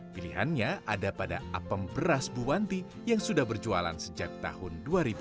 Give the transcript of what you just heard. pilihannya ada pada apem beras buwanti yang sudah berjualan sejak tahun dua ribu